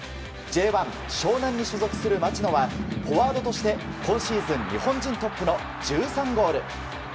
湘南に所属する町野はフォワードとして、今シーズン日本人トップの１３ゴール。